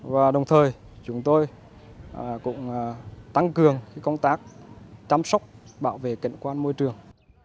và đồng thời chúng tôi cũng tăng cường công tác chăm sóc bảo vệ cảnh quan môi trường